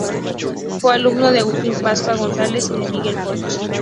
Fue alumno de Agustín Pascual González y de Miguel Bosch.